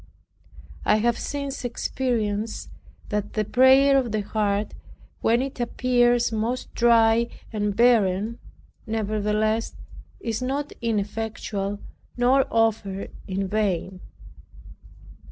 I have since experienced, that the prayer of the heart when it appears most dry and barren, nevertheless is not ineffectual nor offered in vain.